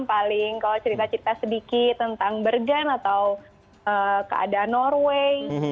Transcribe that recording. paling kalau cerita cerita sedikit tentang bergen atau keadaan norway